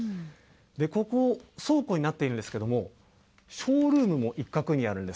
ここ、倉庫になっているんですけれども、ショールームも一角にあるんです。